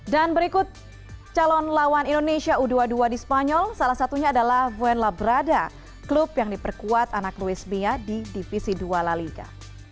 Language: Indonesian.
dan berikut calon lawan indonesia u dua puluh dua di spanyol salah satunya adalah vuen labrada klub yang diperkuat anak louis mia di divisi dua la liga